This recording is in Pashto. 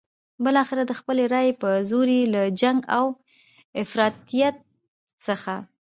بالاخره د خپلې رايې په زور یې له جنګ او افراطیت څخه.